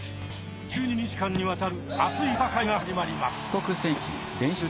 １２日間にわたる熱い戦いが始まります。